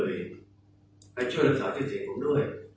ให้ช่วยทำให้ช่วยดังสารชื่อเสียงของผมด้วย